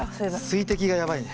水滴がやばいね。